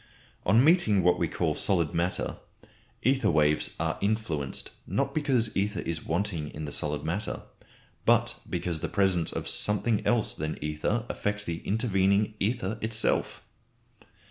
On meeting what we call solid matter, ether waves are influenced, not because ether is wanting in the solid matter, but because the presence of something else than ether affects the intervening ether itself.